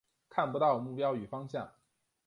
看不到目标与方向